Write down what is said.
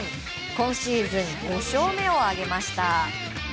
今シーズン５勝目を挙げました。